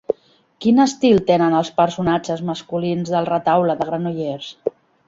Quin estil tenen els personatges masculins del retaule de Granollers?